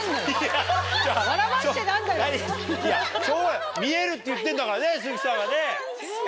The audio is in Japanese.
しょうがない見えるって言ってんだからね鈴木さんがね。